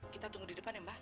kita tunggu di depan ya mbak